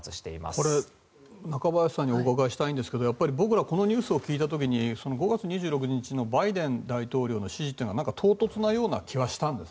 これ、中林さんにお伺いしたいんですが僕ら、このニュースを聞いた時５月２６日のバイデン大統領の指示が唐突なような気がしたんです。